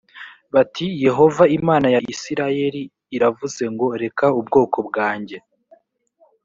bati yehova imana ya isirayeli iravuze ngo reka ubwoko bwanjye